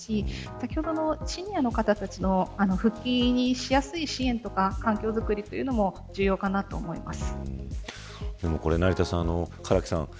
先ほどのシニアの方たちが復帰しやすい支援とか環境づくりというのも重要かなと思います。